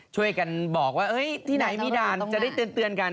ช่วยกันบอกว่าที่ไหนมีด่านจะได้เตือนกัน